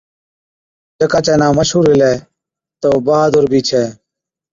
جڪا چَي نان مشهُور هِلَي تہ او بهادر بِي ڇَي،